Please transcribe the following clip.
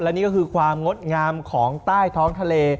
และนี่ก็คือความงดงามของใต้ท้องทะเล